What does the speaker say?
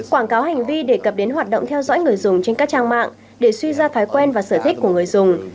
quảng cáo hành vi đề cập đến hoạt động theo dõi người dùng trên các trang mạng để suy ra thói quen và sở thích của người dùng